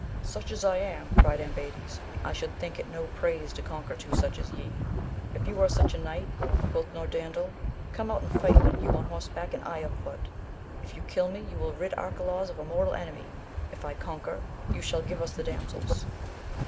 Such as I am, cried Ambades, I should think it no praise to conquer two AMADIS OF GAUL. 236 such as ye ! If you are such a knight, quoth Norandel, come out and fight, you on horseback and I afoot ; if you kill me you will rid Arcalaus of a mortal enemy, if I conquer, you shall give us the damsels.